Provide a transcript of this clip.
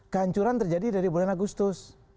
kehancuran terjadi dari bulan agustus